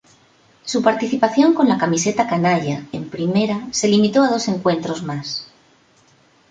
Su participación con la camiseta "canalla" en primera se limitó a dos encuentros más.